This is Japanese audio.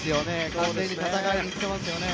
完全に戦いにいってますよね。